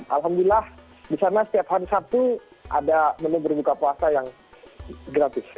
alhamdulillah di sana setiap hari sabtu ada menu berbuka puasa yang gratis